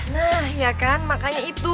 nah ya kan makanya itu